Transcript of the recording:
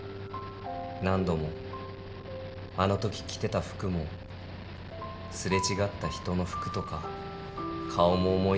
「何度もあのとき着てた服も擦れ違った人の服とか顔も思い出せそうだ」